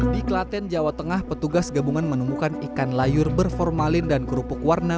di klaten jawa tengah petugas gabungan menemukan ikan layur berformalin dan kerupuk warna